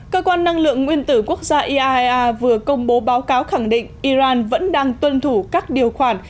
cơ quan năng lượng nguyên tử quốc gia iaea vừa công bố báo cáo khẳng định iran vẫn đang tuân thủ các điều khoản